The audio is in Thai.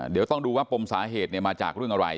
เดี๋ยวต้องดูว่าปมสาเหตุมาจากเรื่องอะไร